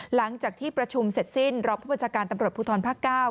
หลังจากที่ประชุมเสร็จสิ้นรองผู้บัญชาการตำรวจภูทรภาค๙